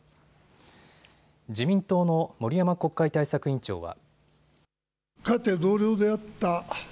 自民党の森山国会対策委員長は。